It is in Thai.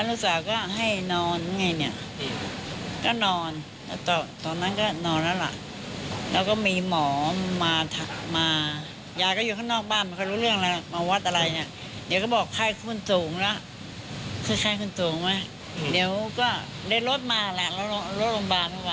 สุดท้ายที่คุณยายได้คุยกับคุณตากันคุยกับเรื่องอะไรไป